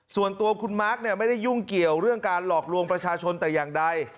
ส่วนตัวคุณมาร์คไม่ได้ยุ่งเกี่ยวเรื่องการหลอกลวงประชาชนแต่อย่างใด